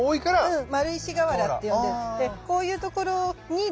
うん。